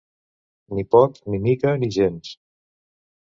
Ni poc, ni mica, ni gens.